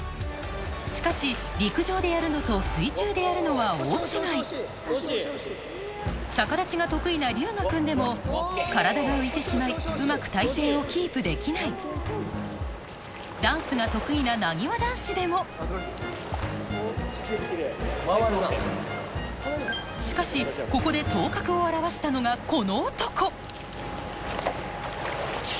しかし陸上でやるのと水中でやるのは大違い逆立ちが得意な龍芽くんでも体が浮いてしまいうまく体勢をキープできないダンスが得意ななにわ男子でもしかしここで頭角を現したのがこの男！